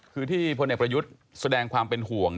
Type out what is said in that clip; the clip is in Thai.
คือที่พลเอกประยุทธ์แสดงความเป็นห่วง